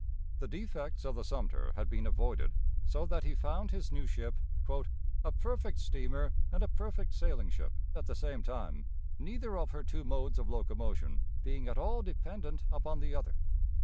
The defects of the Sumter had been avoided, so that he found his new ship "a perfect steamer and a perfect sailing ship, at the same time neither of her two modes of locomotion being at all dependent upon the other.